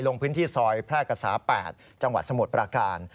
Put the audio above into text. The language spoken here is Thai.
ลงพื้นที่ซอยแพร่กษา๘จังหวัดสมุทรปราการ